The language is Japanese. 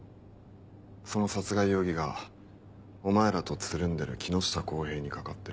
その殺害容疑がお前らとつるんでる木下耕平にかかってる。